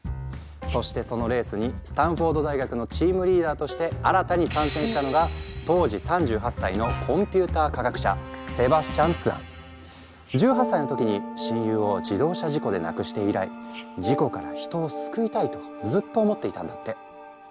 そしてそのレースにスタンフォード大学のチームリーダーとして新たに参戦したのが当時３８歳の１８歳の時に親友を自動車事故で亡くして以来事故から人を救いたいとずっと思っていたんだって。